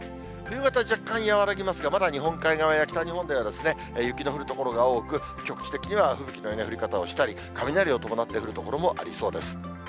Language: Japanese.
夕方、若干和らぎますが、まだ日本海側や北日本では、雪の降る所が多く、局地的には吹雪のような降り方をしたり、雷を伴って降る所もありそうです。